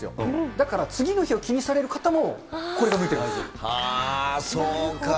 だから次の日を気にされる方も、そうか。